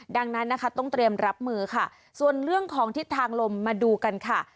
ดังนั้นนะคะต้องเตรียมรับมือค่ะส่วนเรื่องของทิศทางลมมาดูกันค่ะ